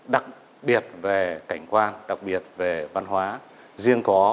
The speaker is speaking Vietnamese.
đặc biệt về cảnh quan đặc biệt về văn hóa riêng có